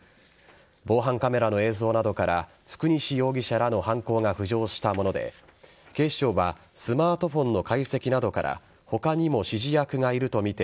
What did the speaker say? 防犯カメラの映像などから福西容疑者らの犯行が浮上したもので警視庁はスマートフォンの解析などから他にも指示役がいるとみて